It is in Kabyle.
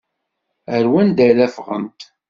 Ar wanda ara ffɣent?